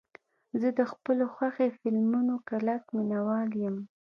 زه د خپلو خوښې فلمونو کلک مینهوال یم.